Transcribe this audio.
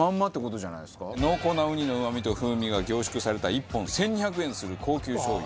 濃厚なウニのうま味と風味が凝縮された１本１２００円する高級しょう油。